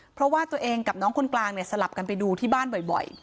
เพราะว่าตัวเองกับน้องคนกลางเนี่ยสลับกันไปดูที่บ้านบ่อย